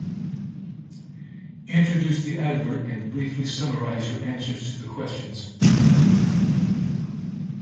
Introduce the advert and briefly summarize your answers to the questions.